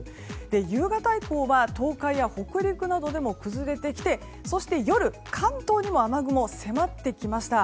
夕方以降は、東海や北陸などでも崩れてきてそして夜、関東にも雨雲が迫ってきました。